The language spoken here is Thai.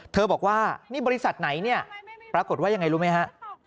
มึงบอกว่านี่บริษัทไหนปรากฎว่ายังไงรู้ไหมฮะ